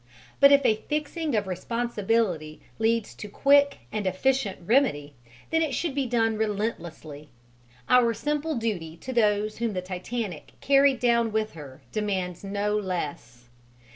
But if a fixing of responsibility leads to quick and efficient remedy, then it should be done relentlessly: our simple duty to those whom the Titanic carried down with her demands no less.